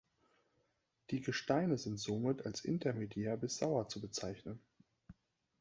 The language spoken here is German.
Die Gesteine sind somit als intermediär bis sauer zu bezeichnen.